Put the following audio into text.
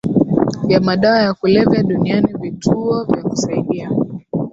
ya madawa ya kulevya duniani vituo vya kusaidia